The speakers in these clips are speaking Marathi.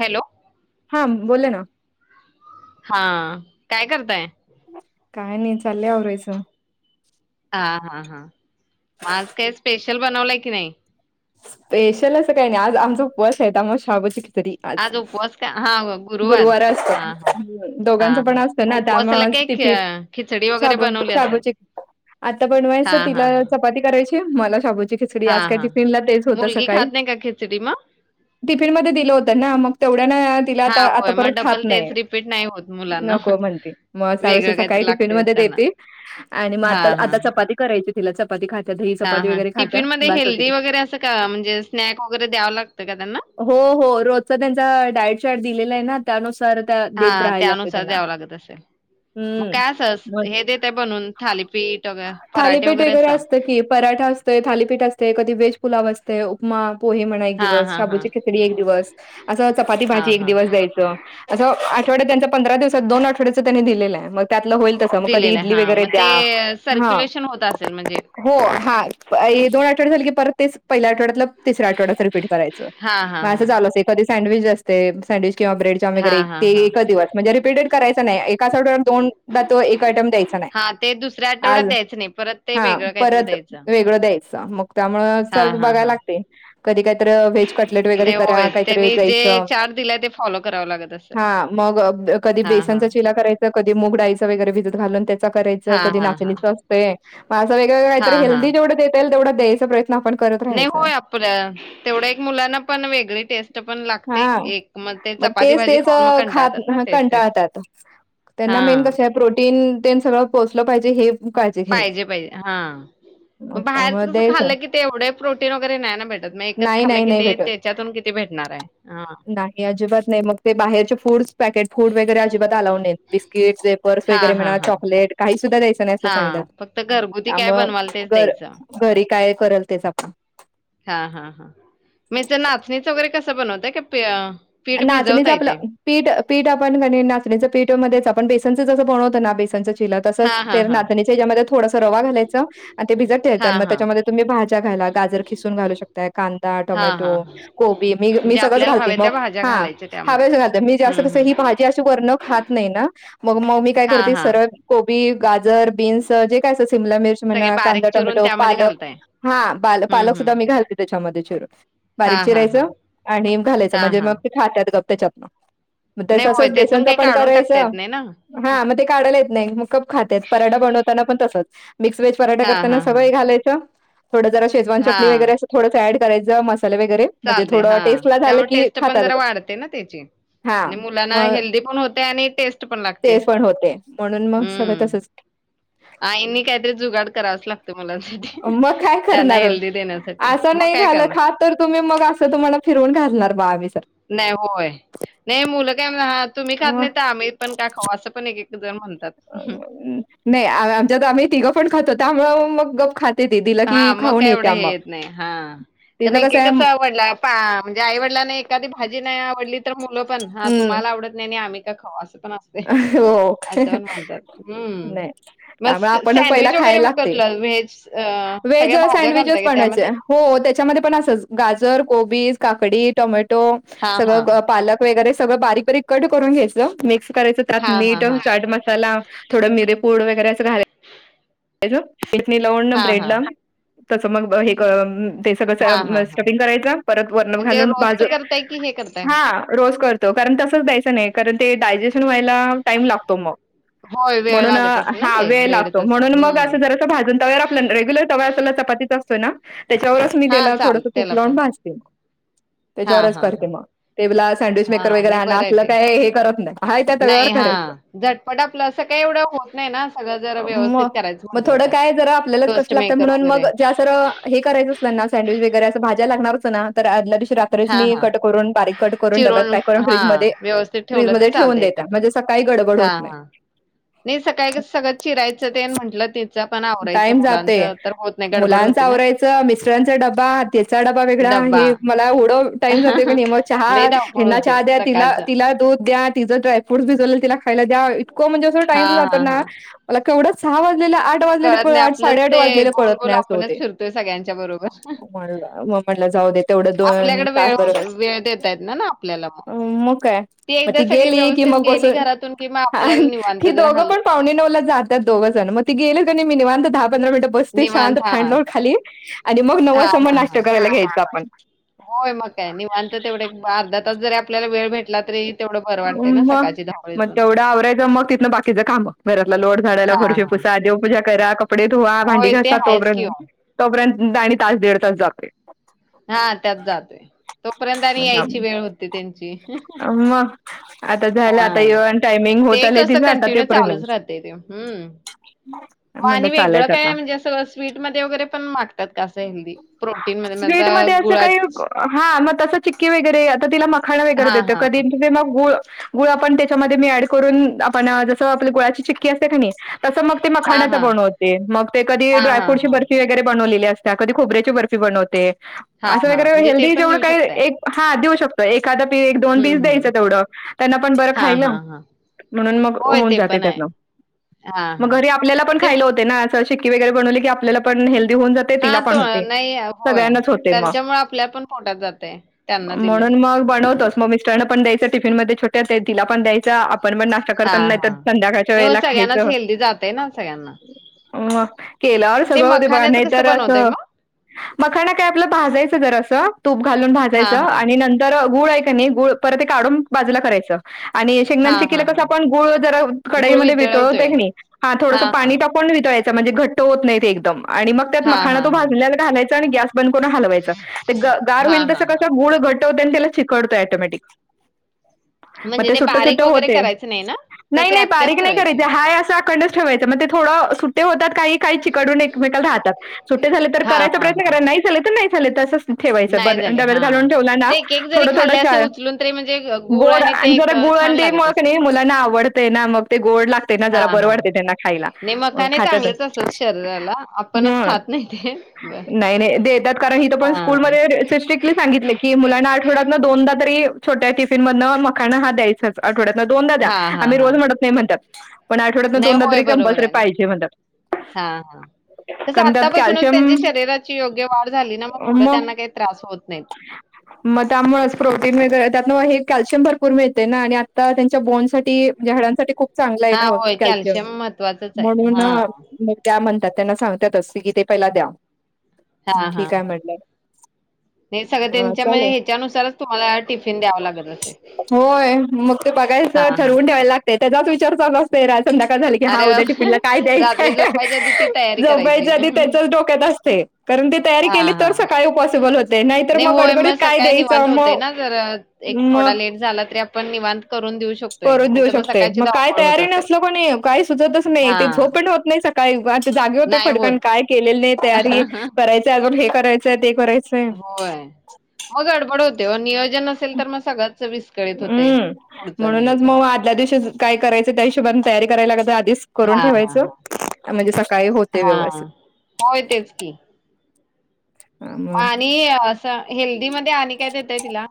हॅलो... हां बोला ना हा काय करताय? काय नाही चाललाय आवरायच. हां, हां, हां. मग आज काय स्पेशल बनवला की नाही स्पेशल असं काही नाही आज आमचं उपवास होता मग साबुदाणाचि खिचडी- तरी आज उपवास का? हां, गुरुवार असते हां, हां. दोघांच हां, पण हां. असतं मग ना त्यामुळे उपवासाला काय खि खिचडी वगैरे बनवली असेल? हां, हां, हां. [unintelligible] मला शाबूची खिचडी आज हां, काय हां. टीफिनला मुलगी खात नाही का खिचडी म- टिफिन मध्ये दिलं होत ना मग तेवढ्या ना तिला हां, आता होय. परत मग खात डबल नाही. तेच रिपीट नाही होत मुलांना. नको म्हणती मग वेगळं सकाळी काहीतरी टिफिन लागतंयच मध्ये त्यांना. देती आणि मग आ आता चपाती करायची तिला चपाती खात्या दही हा चपाती हा वगैरे खात्या टिफिन मध्ये बास होते हेल्दी वगैरे असं का म्हणजे स्नॅक्स वगैरे द्यावं लागतं का त्यांना? हो हो रोजचा त्यांचा डायट प्लॅन दिलेला आहे ना. त्यानुसार त्या हा देत राहायला लागते त्यानुसार त्यांना. द्यावं लागत असेल- मग हं. काय अस मग हे देते बनून थालीपीठ पराठे थालीपीठ वगैरे अस- असतं की पराठा असते थालीपीठ असते कधी व्हेज पुलाव असते उपमा पोहे म्हणा एक हा दिवस हा हा शाबूची खिचडी, एक दिवस असं चपाती हा भाजी एक हा दिवस द्यायचं असं आठवड्यात त्यांच्या पंधरा दिवसात दोन आठड्यांच त्यांनी दिलेलं आहे मग- त्यातलं होईल तस मग कधी दिलेलं आहे इडली हा वगैरे मग द्या ते हा सर्क्युलेशन होत असेल म्हणजे हो हा... दोन आठवडे झाले की परत तेच पहिल्या आठवड्यातलं तिसरा आठवड्याच रिपीट करायं हा हा मग असं हा झालं एखदी सडविच असते सडविच किंवा ब्रेड च्या हा वगैरे हा ते हा एकच दिवस म्हणजे रिपीटेड करायच नाही एका आठवड्यात दोन दा तो एक आयटम द्यायचा. हा ते दुसऱ्या आ आठवड्यात द्यायचं नाही परत ते हा वेगळं काहीतरी परत द्यायचं. वेगळं द्यायचं मग हा त्यामुळे- हा बघाला हा लागते कधी कधी व्हेज कटलेट वैगेरे नाही करा होय काही तरी त्यांनी जे द्यायच चार्ट दिलाय ते फॉलो करावं लागत असेल. हा मग अ... कधी हा बेसन हा चा चिला करायचा कधी मुगडाळीच वगैरे भिजत घालून त्याचा करायचं हा कधी हा हा नाचणीचं असते- म अस वेगळे काही हा तर हा हेल्दी जेवढे देता येईल तेवढा् द्यायचा प्रयत् आपण- करत नाही राहायचा होय आपल्या तेवढ्या एक मुलांना पण वेगळी टेस्ट- टेस्ट पण लागते हा एक मग ते चपाती तेच भाजी तेच खाऊन मग खात कंटाळतात ना तेच तेच.... कंटाळतात त्यांना मेन हां, कस आहे प्रोटीन ते सगळं पोहोचलं पाहिजे हे- काळजी घ्यायची पाहिजे पाहिजे हा.. मग बाहेरच त्यामुळे कसं द्यायचं खाल्लं की ते एवढं प्रोटीन वगैरे नाही ना भेटत मग एकच नाही खाल्लं नाही की नाही ते भेटत त्याच्यातून किती भेटत- भेटणार आहे हां. नाही अजिबात नाही मग ते बाहेरचे फूडस पॅकेट फूड वगैरे अजिबात अलाऊड नाहीेत बिस्किट- व्हेपर्स वगैरे हां, हां, म्हणा हां. चॉकलेट- काही सुद्धा द्यायचं नाही अस सांगितलं हां, फक्त घरगुती काय त्यामुळे बनवाल तेच घर द्यायचं. घरी काय कराल तेच आपण- हा हा हा म ते नाचणीच वगैरे कसं बनवतय का- पीठ नाचणीच भिजवताय आपलं ते? पीठ -पीठ आपण नाचणीच पिठा मध्ये - पिठा मध्ये बेसनच जस बनवत ना बेसनच चीला केला ना तसाच हां, हां, हां. त्याचा मध्ये रवा घालायचा अन ते भिजत ठेवायच अणि हां, मग हां. त्याचा मध्ये तुम्ही भज्यां घालू शकता. गाजर किसून घालू शकता कांदा हां, टोमॅटो हां, हां. कोबी मी मी म्हणजे सगळच आपल्याला घालते हव्या त्या मग- भाज्या हा घालायच्या हव त्यामध्ये. ना मी हं, कस हं. ही भाजी अशी वर्ण खात नाही ना मग म मी काय हां, करते हां. कोबी गाजर बीन्स जे काय अस सिमला मिर्ची सगळे म्हणा बारीक कांदा चिरून टोमॅटो त्यामध्ये पालक- घालताय? हा पाल हं, पालक सुद्धा हं. मी घालते त्याच्यामध्ये चिरून बारीक हां, हां, हां. चिरायचं. आणि घालायचं हां, म्हणजे मग हां. खातेत गप त्याच्यातल मग नाही गपचूप होय, तसंच त्यातून बेसनच काही पण काढून टाकता करायचं. येत नाही ना. हा मग ते काढायला येत नाही.. मग गप खातेत. पराठा बनवताना पण, तसच मिक्स वेज पराठा हां, करताना हां, हां. सगळं घालायचं थोंड जरा शेजवान चटणी हां, वगैरें थोडं ॲड करायचं म वगैरे म्हणजे कस टेस्टला झाल की खातात गप पाडते ना त्याची हा आणि मुलांना मग हेल्दी पण होते. आणि टेस्ट पण लागते.... ते पण होते म्हणून मग सगळं हं तसंच आईंनी काहीतरी जुगाड करावंच लागतो... मुलांसाठी. मग काय त्यांना करणार? हेल्दी देण्यासाठी. असं मग नाही काय घालं करणार? खात तर तुम्ही मग असं तुम्हाला. फिरवून घालणार बघ नाही होय. नाही मुलं काय म्हणा, "हां, तुम्ही खात म नाही. तर आम्ही पण काय खाऊ असं पण एक एक जण म्हणत. नाही... आमच्यात आम्ही तिघं पण खातो त्यामुळ मग गपचुप खात. हा मग काय एवढं हे येत नाही... हा तर तिचं नाही कि कसं आहे कस आवडला पा म्हणजे आईवडिलांना नाही. एखादी भाजी नाही आवडली तर मुलं पणा हम्म तुम्हाला आवडत नाही. आणि आम्ही का खाऊ? अस हो पण म्हणतात नाही मग त्यामुळे आपणच पहिला सडविच वगैरे खायला लागते व्हेज हं व्हेज सँडविचेस बनवायच.. हो त्याच्यामध्ये पण असच गाजर, कोबीज, काकडी, टोमॅटो, हां, हां. सगळं पालक, वगैरे सगळं बारीक बारीक कट करून घ्यायंच मे करायचं त्यात हां, हां, मीठ, हां. चाट मसाला थोडं मिरेपूड वगैरे असं घालायच चटणी लावुण न हां, ब्रेड हां. ला.... तसं मग हे ते हां, सगळं हां, हां. स्टपिंग करायच परत वर्ण म्हणजे घालून रोस्ट भाजून करताय की हे करताय? हा रोज कर कारण तसंच द्यायचं नाही... कारण ते डायजेशन व्हायला टाईम लागतो. मग होय, वेळ म्हणून अ लागत असेल ना हा ते वेळ ब्रेड लागतो. तसा. म्हणून मग अस हं. जरा अस भाजून तव आपल्या रेग्युलर तवा असला चपातीचा असतो ना त्याच्यावरच मी हां, त्याला थोडसं चालतं तूप त्याला लावून पण. भाजते. हां, त्याच्यावरच हां, करते हां. मग ते बला सँडविच मेकर हां, वगैरे नाही आणा बरं आहे असलं ते. काय हे करत नाही. हाय त्या तव्यावर नाही हा करायचं झटपट आपलं असं काही एवढं होत नाही ना सगळं जर व्यवस्थित मग करायचं मग म्हटलं तर थोडं काय जरा आपल्यालाच कष्ट टोस्ट लागतं मेकर म्हणुन वगैरे मग जे जरा हे करायचं असल ना सँडविचेस वैगेरे करणारच आहे ना आदल्या दिवशी रात्री हां मी हां. कट करून बारीक कट करून डब्यात पॅक करून फ्रिज फ्रिज मध्ये चालतय एकत्र हा हा नई सकाळी कस सगळं चिरायचं तेन म्हटलं ते टाईम जातय गडबड मुलांच होते ना. आवरायचं. मिस्ट्रांचा डबा, त्याचा डबा वेगळा डब्बा हे मला येवढ टाइम जातोय कणी मग चहा लई धावपळ ह्याना होते चहा द्या. तिला सकाळचं. तिला दूध द्या तिचं डायफ्रुट भिजवलेल तिला खायला द्या. इतकं म्हणजे अस टाईम हां जातो हां ना. हां. मला - तेवढा सहा वाजलेल - आठ वाजलेल कळत कळ नाही आठ साडे आपलंच आठ ते वाजलेले गोल कळत गोल नाही अस आपणच होते फिरतोय सगळ्यांच्या बरोबर. म म्हटलंय जाऊ द्या तेवढ दोन आपल्याकडे वेळ तासभर होत च वेळ देता येत ना ना आपल्याला मग काय एकदा ती सगळी गेली. की व्यवस्थित मग गेली बसुन घरातून कि मग हा आपल्याला निवांत ती जरा दोघ हल पण पावणे नऊला जात्यात दोघ जण मग ती गेलीत मी निवांत दहा, पंधरा मिनट बसते शांत निवांत हा फॅन लावुन खाली आणि मग नव हा वाजता मग हा हा नाष्टा करायला घ्यायचं आपण होय मग काय निवांत तेवढ एक अर्धा तास जरी आपल्याला वेळ भेटला तरी तेवढं बरं वाटतंय ना म्म सकाळची मग धावपळीतून तेवढं आवरायचं मग तिथन बाकीचं काम घरातला लो ट झाडाला, हा फरशी हा पुसा, देवपूजा करा कप कपडे धुवा, भांडी होय ते घासा आहेच कि ओ तोपर्यंत तोपर्यंत आणि तास दीड तास जातोय. हा त्यात जातोय. तोपर्यंत आणि यायची वेळ होते. त्यांची [unintelligible] मग आता झालं हा आता येऊन टायमिंग होत ते आलंय कस तिचं आता ते कंटिन्यू पर्यंत चालूच राहतय ते हं म्हणलं आणि वेगळं चालायचं काय आता. म्हणजे? अस स्वीटमध्ये वगैरे पण मागतात कासं हेल्दी प्रोटीन म स्वीट मध्ये [unintelligible] असं काही गुळात हा मग तसं चिक्की वगैरे आता तिला मखांना वगैरे हा देते हा कधी गुळ गुळ आपण त्याच्यामध्ये मी ऍड करून आपण जस आपल्या गुळाची चिक्की असते कि नाही? तसं मग ते हा मखाण्याच हा बनवते मग ते कधी हां, हां, ड्रायफ्रूटची हां. बर्फी वगैरे बनवली. वलेली असत्या, कधी खोबऱ्याची बनवते, हां, असं हां. वगैरे म्हणजे ते हेल्दी पण जेवढ देऊ काही शकताय. एक हा देऊ शक तर एखादा पीस दोन हं, पीस द्यायचं. हं. तेवढ त्यांना पण बरं हां, खायला हां, हां. म्हणून मग होय, होऊन ते जाते. पण आहे. त्यातन. हां, मग हां. घरी आपल्याला पण ते खायला होते ना चीक्की वगैरे बनवली की आपल्या पण हेल्थ होऊन जातय तिला हां, तो पण होते नाही होय. सगळ्यांनाच होतय मग त्यांच्यामुळे आपल्या पण पोटात जातंय, त्यांना म्हणून. दिल्यावर. मग बनवतो मग मिस्टरांना पण द्यायच टिफिन मध्ये छोट्या तिला पण द्यायचं. आपण पण नाश्ता करताना हां, नाही तर हां. संध्याकाळच्या हो, वेळेला सगळ्यांनाच खायचं. हेल्दी जातंय ना सगळ्यांना. अ केल्यावर ते सगळ होतयं बघा मखाण्याचं नाही कसं तर बनवताय असं. मग? मखाना काय आपला भाजायचं जरासं तूप घालून भाजायचं हां, हां. आणि नंतर गुळ आहे का नाही गुळ परत ते काढून बाजूला करायचं. आणि शेंगदाचे हां, चिक्कीला हां, कसं हां. आपण गुळ जरा कडाईमध्ये वितळवतोय की नई हा थोडसं हां, हां. पाणी टाकून वितळायचं. म्हंजे घट्ट होत नाही ते एकदम आणि मगं त्यात हां, मखाना हां, तो हां. भाजलेला घालायचा आणि गॅस बंद करून हलवायच ते गार हां, होईल तस हां, हां. कस गुळ घट होतय आणि त्याला चिकटतोय त्याला ऍटोमॅटिक. मग म्हणजे ते सुट्ट बारीक सुट्ट वगैरे होतय करायचं नाही ना? नाही तसे नाही अख्खेच बारीक नाही ठेवायचे. करायचे हाय असा अकंडच ठेवायचा मग ते. थोडं सु ते होतात काही काही चिकडून एकमेकला राहतात सुटे झाले तर हां, करायचा हां, प्रयत्न हां. करा नाही झाले तर नाही झाले तसंच. ठेवायचं नाही बर, झाले डब्यात हा घालून ठेवला ना ते एक एक जरी थोडं खाल्ले थोडं असे चार. उचलून तरी म्हणजे गुळ गोड ते आणि एक जरा गुळ आणि छान ते लागत मगं असं कणी मुलांना आवडतय ना मग ते. गोड लागतेय ना हा जरा बर हा वाटतेय त्यांना खायला नाही मग मखाने खात्यात. चांगलेच असतात शरीराला आपणच ह. खात नाही ते बर नाही नाहीे देतात कारण हित पण हा स्कूल मध्ये स्ट्रिकली सांगितलयं मुलांना आठवडा दोनदा तरी छोट्या टिफिन मधनं मखाना हा द्यायचंच आठवड्या दोनदा द्या हा हा आम्ही हा रोज म्हणत नाही म्हणत्यात पण आठवड्यात ना, नाही दोनदा होय तरी बरोबर कंपलसरी आहे ना पाहिजे म्हणतात. हा हा. कसं कारण त्यात आत्तापासूनच कॅल्शियम त्यांच्या शरीराची योग्य वाढ झाली ना, मग पुढं त्यांना काही त्रास होत नाहीत. मग त्यामुळेच प्रोटीन वगैरे [unintelligible] त्यातन कॅल्शियम भरपूर मिळतय ना, आणि आत्ता त्यांच्या बोनसाठी म्हणे हाडांसाठी खूप चांगलय हा ना होत होय कॅलशीयम कॅल्शियम महत्त्वाचंच आहे म्हणून हा म त्या त्यांना सांगतात असते की ते पहिला द्या. मगं ठीक आहे म्हटलं. हे सगळं मग त्यांच्या चालेल म्हणजे ह्याच्यानुसारच तुम्हाला टिफिन द्यावं लागेल. होय! मग ते बघायच हा हा ठरवून ठेवायला लागतेय, त्याचाच विचार चालू असतय रा संध्याकाळ झालं की हा अरे उद्या बापरे! टीपीनला काय द्यायचंय? रात्री झोपायच्या आधी ती तयारी करायची. झोपायच्या आधी त्याचच डोक्यात असते. कारण ती तयारी केली हां, तर हां. सकाळी पॉसिबल होते नाहीतर नाही मग होय, गडबडीत काय सकाळी द्यायचं निवांत म होतंय ना जरा एक मी थोडा लेट झाला तरी आपण निवांत करून देऊ शकतोय, करून नाही देऊ तर मग शकते सकाळची काय धावपळ होत तयारी असेल. नसल कोणी काही सुचतच नाही ते हां, झोप पण होत नाही सकाळी उगाच ते जागे होते नाही खडकन होत. काय केलेले नाही तयारी करायचय, अजून हे करायचंय ते करायचंय. होय. मग गडबड होते नियोजन असेल तर मग सगळ हम्म. म्हणूनच म व आदल्या दिवशी काय करायचं त्या हिशोबने तयारी करायला लागते. डीस करून हां, ठेवायच हां, हां. म्हणजे सकाळी होते व्यवथित. हां. होय, तेच की. आणि असं हेल्दी मध्ये आणि काय देताय तिला?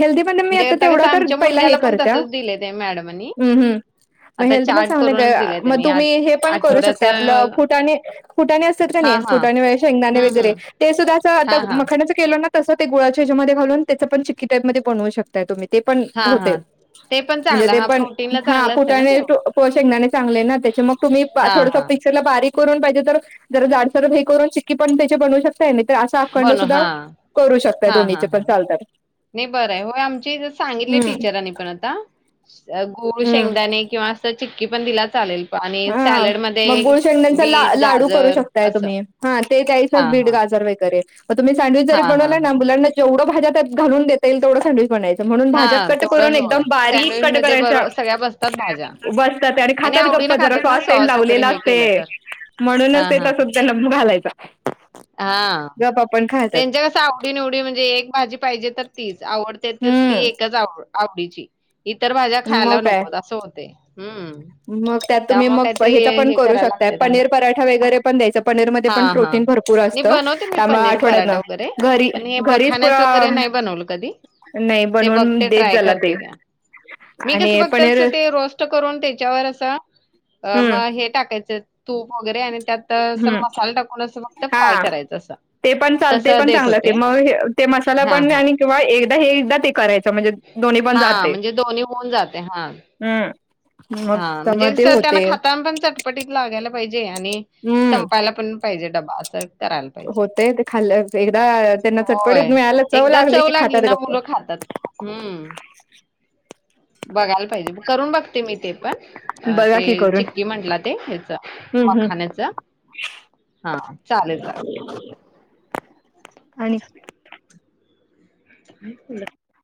हेल्दी मध्ये मी म्हणजे आता तेवढं कसं तर आमच्या पहिला हे मुलग्याला पण करत्या. तसंच दिलंय त्या मॅडमांनी. हम्म हम्म. म आता हेल्दी पण चार्ट चांगलं ग करूनच दिलाय म त्यांनी आठ तुम्ही हे पण करू आठवड्याच शकतायं, आपलं फुटाणे, फुटाणी असत्यात का हा नाही. हा फुटाणे, [unintelligible] शेंगदाणे हम्म वगैरे हम्म च हा आता हा मखानांचं केलं ना, तं ते गुळाच्या हेच्या मध्ये घालून त्याच पण चिक्की टाइपमध्ये बनवू शकता तूम्ही. ते पण हा होते. हा ते पण म्हणजे चांगलं ते हा पण प्रोटीनला हा चांगलं असते ना ते फुटाणे टू प शेंगदाणे चांगले ना, त्या मग तुम्ही हा थोडस हा पिक्सरला बारीक करून पाहिजे तर जर जाडसर हे. करून चिक्की पण त्या बनू शक ताई नाही त आसा अखंड बनू सुद्धा हा करू शकता हा हा दोन्हीचे पण हा चालतात. नाही बरं हे होय आमचीज सांगितली हम्म, टीचरांनी पण आता. अ गुळ हम्म. शेंगदाणे किंवा असं चिक्की पण दिला चालेल. प- आणि हा सॅलड मग मध्ये गुळशंड्यांचा ला बीट लाडू करू गाजर शकताय, असं तुम्ही हा हा दयायच बीट हा गाज तर [unintelligible] मग तम्ही सँडविच हा जरी हा बनलाय हा ना, मुलां जेवढ्या भाज्यात घलून दे येई तेवढं सँडविच बचं म्हणून भाज्या हा कट करून तेवढं एकदम होय बारीक सँडविच कट मध्ये करायच्या बरो सगळ्या बसतात भाज्या बसतात. [unintelligible] आणि आवडीत [unintelligible] जरा फट सेंड लावलेला असते म्हणूनच हा हा तेचा स त्याला घालायचा. हा गप आपण खातात. त्यांच्या कस आवडी, निवडी म्हणजे एक भाजी पाहिजे तर तीस आवडते त ती हम्म, एकचव आव [unintelligible] आवडीची इतर भाज्या मग खायला काय. नकोत असं होते. हम्म मग त्यात तुम्ही त्यामुळे मग काहीतरी ह्याचा पण हे करू करायला शकताय, लागते त्यांना पनीर पराठा वगैरे पण द्यायच पनीरमध्ये हा पण हा प्रोटीन. भरपूर मी असत त बनवते मी त्यामुळ, पनीर आठवड्यात न पराठा वगैरे घरी पण हे घरीच प मखाण्याच वगैरे नाही बनवलं कधी नाही ते बनवून बघते देत ट्राय झाला ते. करते घ्या मी कसं आणि बघत [unintelligible] पनीर अस ते रोस्ट करून त्याच्यावर असं हम्म मग हे टाकायचं. तूप वगैरे आणि त्यात अस हम्म मसाला टाकून. असं फक्त फ्राय हा करायचं असं ते पण चाल ते तसं पण देत चांगलं होते. ते म हे ते मसाला हा पण हा आणि किंवा एकदा, हे एकदा, ते करायच म्हणजे दोन्ही पण हा जाते म्हणजे दोन्ही होऊन जाते हा. हम्म मग हा त्यामुळे म्हणजे ते स त्यांना होते खाताना पण चटपटीत, लागायला पाहिजे आणि हम्म संपायला पण पाहीजे [unintelligible] अस करायल पाहीजे होते ते खाल्लं एकदा त्यांना होय चटपटीत मिळालं एकदा चव लाग की लागली खातात ना गप्प मुलं खातात हम्म. बघायल पाहिजे करून बघते मी ते पण बघा ते की करून चिक्की म्हटला ते [unintelligible] हच हम्म हम्म मखाान्याच हा चालेल चालेल. आणि [unintelligible]